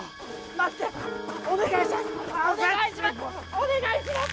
お願いします